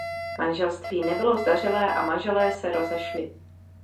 Manželství nebylo zdařilé a manželé se rozešli.